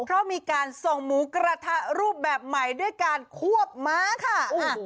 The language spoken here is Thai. เพราะมีการส่งหมูกระทะรูปแบบใหม่ด้วยการควบม้าค่ะ